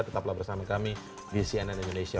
tetaplah bersama kami di cnn indonesia